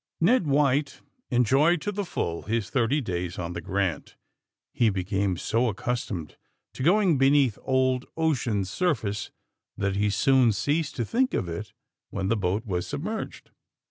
Ned White enjoyed to the full his thirty days on the *^ Grant.'' He became so accustomed to going beneath Old Ocean's surface that he soon ceased to think of it when the boat was sub merged.